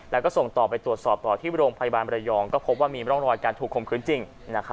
แล้วก็ส่งต่อไปตรวจสอบต่อที่โรงพยาบาลมรยองก็พบว่ามีร่องรอยการถูกคมคืนจริง